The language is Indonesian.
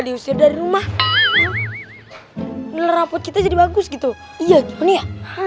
diusir dari rumah nel raput kita jadi bagus gitu iya ini ya